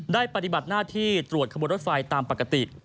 ปฏิบัติหน้าที่ตรวจขบวนรถไฟตามปกติ